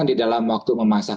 di dalam waktu memasak